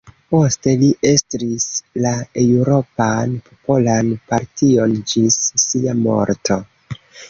Poste li estris la Eŭropan Popolan Partion ĝis sia morto.